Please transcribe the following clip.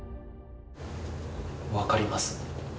分かります。